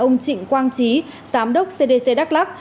ông trịnh quang trí giám đốc cdc đắk lắc